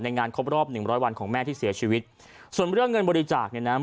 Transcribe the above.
งานครบรอบหนึ่งร้อยวันของแม่ที่เสียชีวิตส่วนเรื่องเงินบริจาคเนี่ยนะ